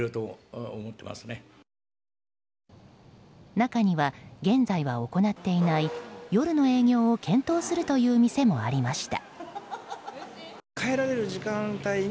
中には現在は行っていない夜の営業を検討するという店もありました。